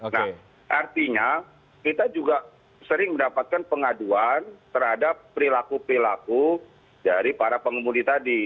nah artinya kita juga sering mendapatkan pengaduan terhadap perilaku perilaku dari para pengemudi tadi